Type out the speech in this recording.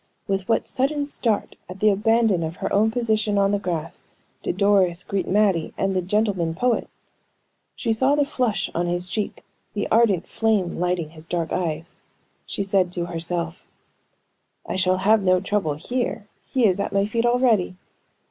With what a sudden start at the abandon of her own position on the grass did Doris greet Mattie and the "gentleman poet!" She saw the flush on his cheek, the ardent flame lighting his dark eyes. She said to herself: "I shall have no trouble here; he is at my feet already.